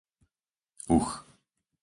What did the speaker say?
Uh